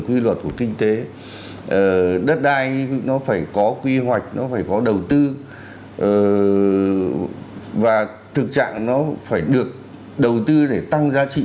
quy luật của kinh tế đất đai nó phải có quy hoạch nó phải có đầu tư và thực trạng nó phải được đầu tư để tăng giá trị